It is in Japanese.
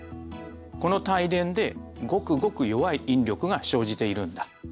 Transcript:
この帯電でごくごく弱い引力が生じているんだ。